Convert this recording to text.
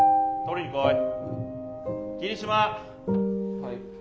はい。